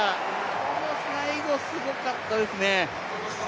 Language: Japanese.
この最後、すごかったですね。